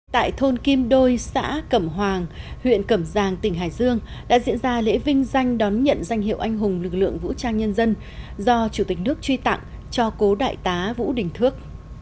tại thôn kim đôi xã cẩm hoàng huyện cẩm giang tỉnh hải dương đã diễn ra lễ vinh danh đón nhận danh hiệu anh hùng lực lượng vũ trang nhân dân do chủ tịch nước truy tặng cho cố đại tá vũ đình thước